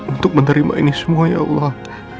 untuk menerima ini semua ya allah